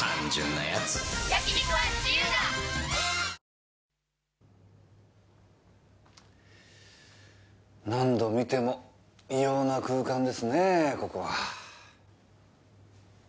わかるぞ何度見ても異様な空間ですねぇここは。